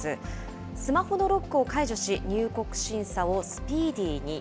スマホのロックを解除し、入国審査をスピーディーに。